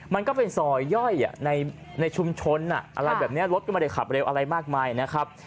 มันก็เป็นซอยย่อยในชุมชนอะไรแบบนี้รถก็ไม่ได้ขับเร็วอะไรมากมายนะครับ